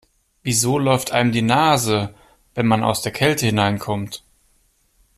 Wieso läuft einem die Nase, wenn man aus der Kälte hineinkommt?